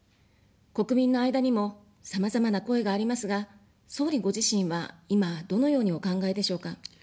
国民の間にも、さまざまな声がありますが、総理ご自身は今どのようにお考えでしょうか。